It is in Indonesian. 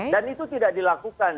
dan itu tidak dilakukan